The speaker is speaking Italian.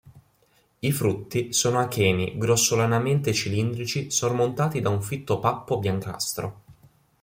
I frutti sono acheni grossolanamente cilindrici sormontati da un fitto pappo biancastro.